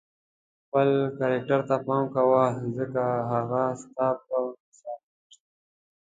خپل کرکټر ته پام کوه ځکه هغه ستا په سرنوشت بدلیږي.